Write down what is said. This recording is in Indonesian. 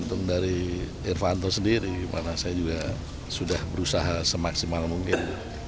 untung dari irvanto sendiri karena saya juga sudah berusaha semaksimal mungkin